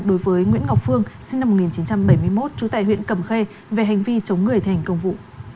đối với nguyễn ngọc phương sinh năm một nghìn chín trăm bảy mươi một trú tại huyện cầm khê về hành vi chống người thành công vụ